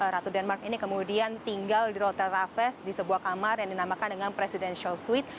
ratu denmark ini kemudian tinggal di hotel raffles di sebuah kamar yang dinamakan dengan presidential suite